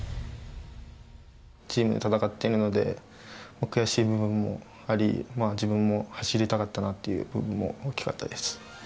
チームで戦っているので、悔しい部分もあり、自分も走りたかったなという部分も大きかったです。